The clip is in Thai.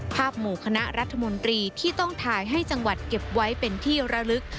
หมู่คณะรัฐมนตรีที่ต้องถ่ายให้จังหวัดเก็บไว้เป็นที่ระลึก